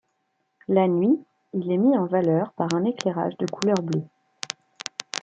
La nuit, il est mis en valeur par un éclairage de couleur bleue.